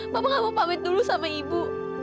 saya tidak mau pamit dulu dengan ibu